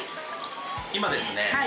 今ですね